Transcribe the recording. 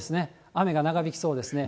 雨が長引きそうですね。